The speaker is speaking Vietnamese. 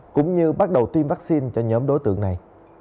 cũng như bắt đầu tiêm vaccine cho nhóm đối tượng này